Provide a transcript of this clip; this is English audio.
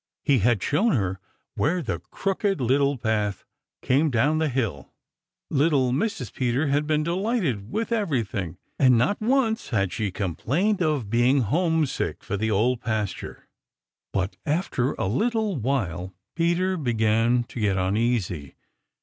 He had shown her where the Crooked Little Path came down the hill. Little Mrs. Peter had been delighted with everything, and not once had she complained of being homesick for the Old Pasture. But after a little while Peter began to get uneasy.